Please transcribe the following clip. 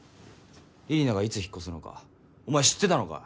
李里奈がいつ引っ越すのかお前知ってたのか？